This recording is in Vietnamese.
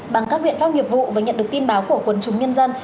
bằng các huyện phát nghiệp vụ và nhận được tin báo của quần chúng nhân dân